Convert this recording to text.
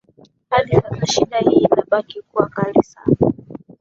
Hadi sasa shida hii inabaki kuwa kali sana